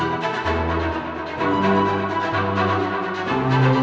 aku ada penyakit kalimat lu